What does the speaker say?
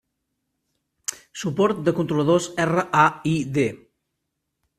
Suport de controladors RAID.